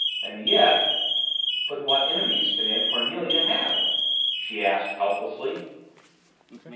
And yet "But what enemies can Aunt Cornelia have?" she asked helplessly.